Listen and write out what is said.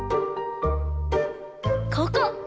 ここ！